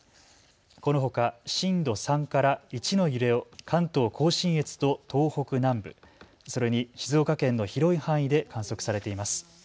このほか震度３から１の揺れを関東甲信越と東北南部、それに静岡県の広い範囲で観測されています。